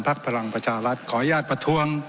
พลังประชารัฐขออนุญาตประท้วง